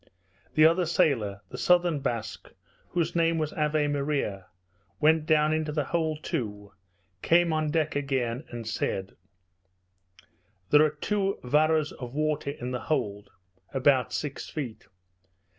The other sailor, the southern Basque, whose name was Ave Maria, went down into the hold, too, came on deck again, and said, "There are two varas of water in the hold." About six feet.